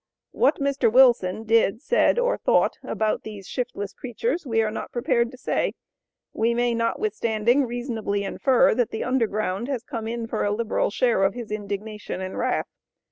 What Mr. Wilson did, said or thought about these "shiftless" creatures we are not prepared to say; we may, notwithstanding, reasonably infer that the Underground has come in for a liberal share of his indignation and wrath.